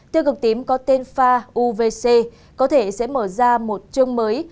tiêu cực tím có tên fa uvc có thể sẽ mở ra một chương mới